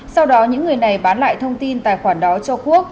sau đó những người này bán lại thông tin tài khoản đó cho quốc